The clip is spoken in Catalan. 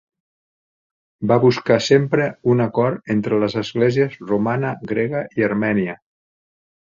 Va buscar sempre un acord entre les esglésies romana, grega i armènia.